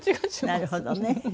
なるほどね。